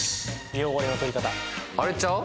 汚れの取り方あれちゃう？